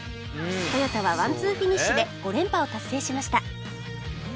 トヨタはワンツーフィニッシュで５連覇を達成しました